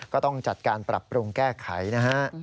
ก็ต้องจัดการปรับปรุงแก้ไขนะฮะ